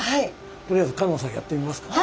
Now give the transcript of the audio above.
とりあえず香音さんやってみますか？